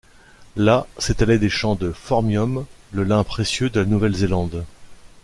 Là, s’étalaient des champs de « phormium, » le lin précieux de la Nouvelle-Zélande.